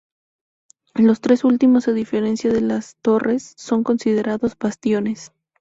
Los tres últimos, a diferencia de las torres, son considerados bastiones.